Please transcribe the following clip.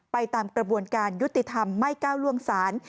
ตามกระบวนการยุติธรรมไม่ก้าวล่วงศาล